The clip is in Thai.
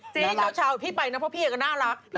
จริงเจ๊เกาะชาวพี่ไปนะเพราะพี่อ่ะก็น่ารัก